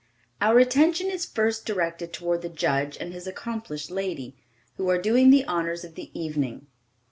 Our attention is first directed toward the judge and his accomplished lady, who are doing the honors of the evening.